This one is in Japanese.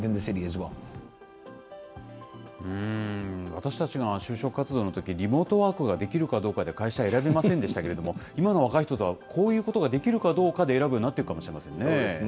私たちが就職活動のとき、リモートワークができるかどうかで、会社選べませんでしたけれども、今の若い人はこういうことができるかどうかで選ぶようになってくるかもしれませんね。